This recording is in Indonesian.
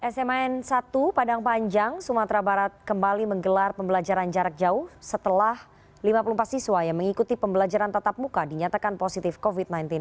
sma n satu padang panjang sumatera barat kembali menggelar pembelajaran jarak jauh setelah lima puluh empat siswa yang mengikuti pembelajaran tatap muka dinyatakan positif covid sembilan belas